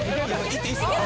いっていいすか？